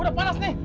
udah panas nih